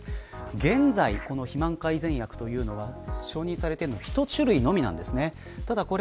現在、肥満改善薬というのは承認されているのは１種類のみです。